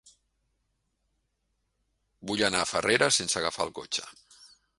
Vull anar a Farrera sense agafar el cotxe.